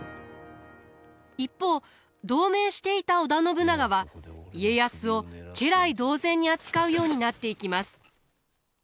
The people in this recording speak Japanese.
一方同盟していた織田信長は家康を家来同然に扱うようになっていきます。